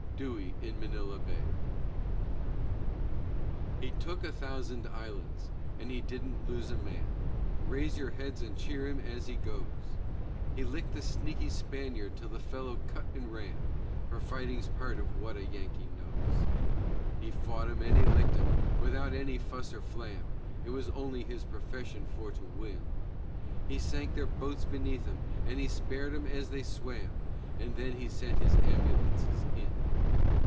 DEWEY IN MANILA BAY He took a thousand islands and he didn't lose a man (Raise your heads and cheer him as he goes!) He licked the sneaky Spaniard till the fellow cut and ran, For fighting's part of what a Yankee knows. He fought 'em and he licked 'em, without any fuss or flam (It was only his profession for to win), He sank their boats beneath 'em, and he spared 'em as they swam, And then he sent his ambulances in.